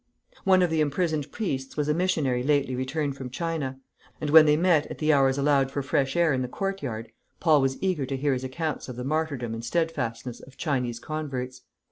One of the imprisoned priests was a missionary lately returned from China; and when they met at the hours allowed for fresh air in the courtyard, Paul was eager to hear his accounts of the martyrdom and steadfastness of Chinese converts.